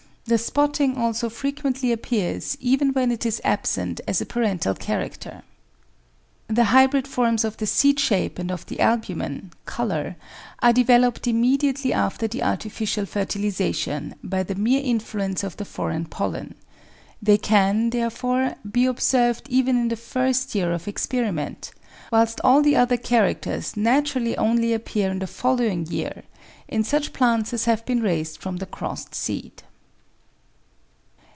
The spotting also frequently appears even when it is absent as a parental character. 1 The hybrid forms of the seed shape and of the albumen [colour] are developed immediately after the artificial fertilisation by the mere influence of the foreign pollen. They can, therefore, be observed even in the first year of experiment, whilst all the other characters naturally only appear in the following year in such plants as have been raised from the crossed seed.